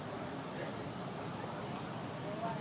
โปรดติดตามต่อไป